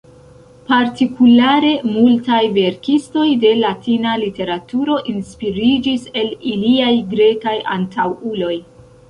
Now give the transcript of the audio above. Partikulare, multaj verkistoj de Latina literaturo inspiriĝis el iliaj grekaj antaŭuloj.